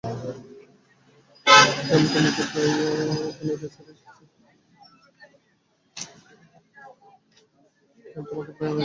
ক্যাম, তোমাকে প্রায় ওখানে একাই ছেড়ে এসেছি।